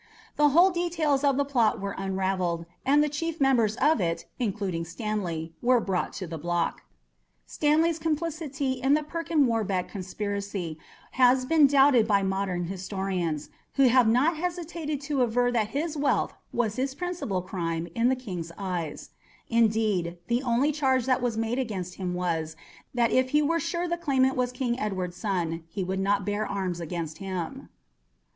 The whole details of the plot were unravelled, and the chief members of it, including Stanley, were brought to the block. Stanley's complicity in the "Perkin Warbeck" conspiracy has been doubted by modern historians, who have not hesitated to aver that his wealth was his principal crime in the King's eyes; indeed, the only charge that was made against him was, that if he were sure the claimant was King Edward's son, he would not bear arms against him.